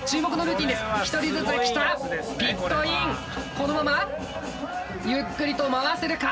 このままゆっくりと回せるか？